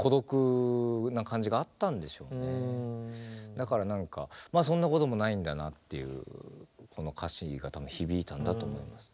だから何かそんなこともないんだなっていうこの歌詞が多分響いたんだと思います。